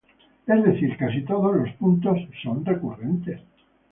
Es decir, casi todos los puntos son recurrentes.